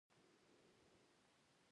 هدف دا دی چې د مغز مینځلو مخه ونیول شي.